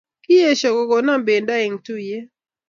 Kiyesho kokonon pendo en tuyet